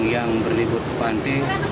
yang berlibur ke pantai